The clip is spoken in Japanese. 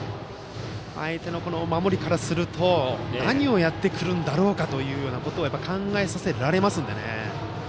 相手の守りからすると何をやってくるんだろうかと考えさせられますのでね。